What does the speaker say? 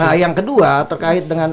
nah yang kedua terkait dengan